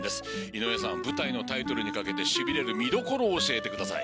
井上さん舞台のタイトルに掛けてしびれる見どころを教えてください。